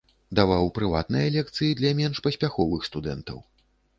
Даваў прыватныя лекцыі для менш паспяховых студэнтаў.